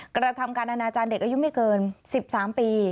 กระทำการอนาจารย์เด็กอายุไม่เกิน๑๓ปี